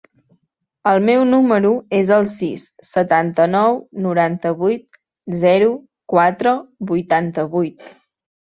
El meu número es el sis, setanta-nou, noranta-vuit, zero, quatre, vuitanta-vuit.